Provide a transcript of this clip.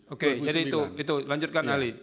oke jadi itu lanjutkan ahli